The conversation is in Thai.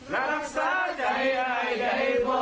รักษาใจใดได้บ่